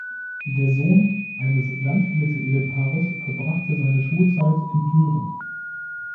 Der Sohn eines Landwirte-Ehepaares verbrachte seine Schulzeit in Düren.